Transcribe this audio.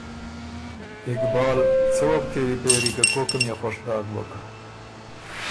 اقبال: څۀ وه بو کېوی پېری که کوکه ميې خوش داک بُک،